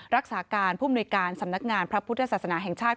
รักษาการผู้มนุยการสำนักงานพระพุทธศาสนาแห่งชาติ